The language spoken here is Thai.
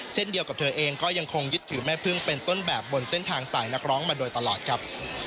เช่นเดียวกับเธอเองก็ยังคงยึดถือแม่พึ่งเป็นต้นแบบบนเส้นทางสายนักร้องมาโดยตลอดครับ